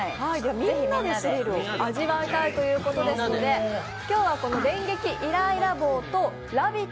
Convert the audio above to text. みんなでスリルを味わいたいということですので今日はこの電撃イライラ棒と「ラヴィット！」